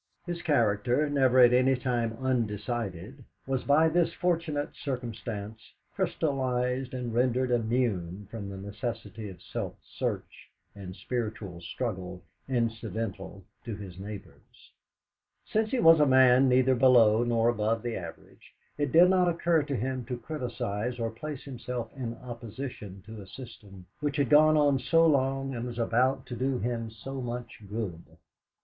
His character, never at any time undecided, was by this fortunate circumstance crystallised and rendered immune from the necessity for self search and spiritual struggle incidental to his neighbours. Since he was a man neither below nor above the average, it did not occur to him to criticise or place himself in opposition to a system which had gone on so long and was about to do him so much good.